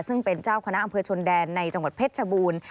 ซึ่งเป็นเจ้าคณะอำเภอชนแดนในจังหวัดเพชรชบูรณ์